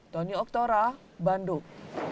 tony oktora bandung